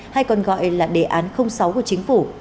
hay còn gọi là đề án sáu của chính phủ